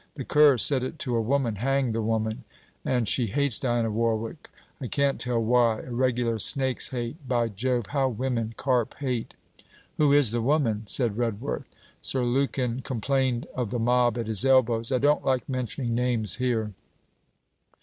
'The cur said it to a woman hang the woman! And she hates Diana Warwick: I can't tell why a regular snake's hate. By Jove! how women carp hate!' 'Who is the woman?' said Redworth. Sir Lukin complained of the mob at his elbows. 'I don't like mentioning names here.'